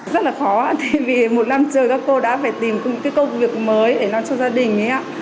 rất là khó vì một năm trời các cô đã phải tìm cái công việc mới để lo cho gia đình